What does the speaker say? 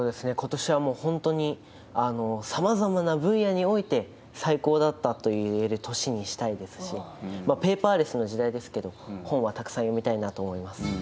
ことしはもう本当にさまざまな分野において最高だったと言える年にしたいですし、ペーパーレスの時代ですけれども、本はたくさん読みたいなと思います。